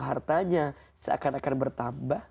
hartanya seakan akan bertambah